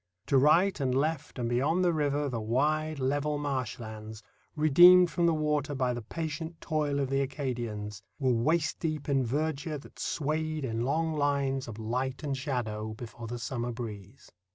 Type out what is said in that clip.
To right and left and beyond the river the wide, level marsh lands, redeemed from the water by the patient toil of the Acadians, were waist deep in verdure that swayed in long lines of light and shadow before the summer breeze.